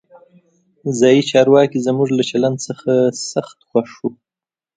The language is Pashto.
ځایي چارواکي زموږ له چلند څخه سخت خوښ وو.